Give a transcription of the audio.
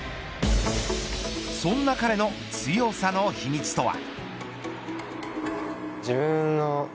そんな彼の強さの秘密とは。